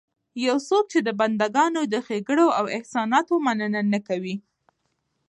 يو څوک چې د بنده ګانو د ښېګړو او احساناتو مننه نه کوي